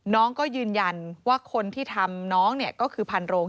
น้องก็ยืนยันว่าคนที่ทำน้องเนี่ยก็คือพันโรง